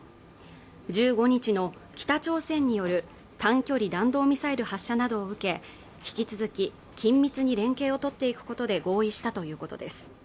１５日の北朝鮮による短距離弾道ミサイル発射などを受け、引き続き緊密に連携をとっていくことで合意したということです。